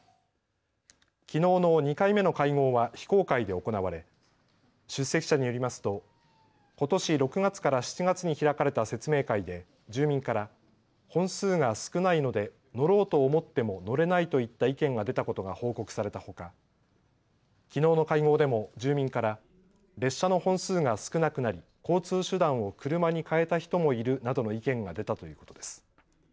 きのうの２回目の会合は非公開で行われ出席者によりますとことし６月から７月に開かれた説明会で住民から本数が少ないので乗ろうと思っても乗れないといった意見が出たことが報告されたほかきのうの会合でも、住民から列車の本数が少なくなり交通手段を車に変えた人もいるなどの意見が出たということです。